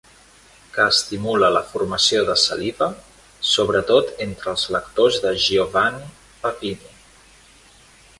Que estimula la formació de saliva, sobretot entre els lectors de Giovanni Papini.